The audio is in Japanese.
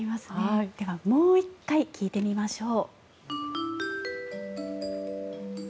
では、もう１回聞いてみましょう。